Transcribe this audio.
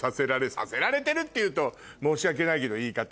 させられてるって言うと申し訳ないけど言い方。